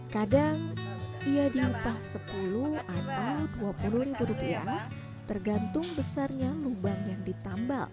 kadang ia diupah sepuluh atau dua puluh ribu rupiah tergantung besarnya lubang yang ditambal